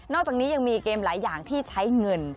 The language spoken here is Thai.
อกจากนี้ยังมีเกมหลายอย่างที่ใช้เงิน